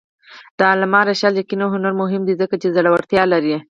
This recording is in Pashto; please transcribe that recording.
د علامه رشاد لیکنی هنر مهم دی ځکه چې زړورتیا لري.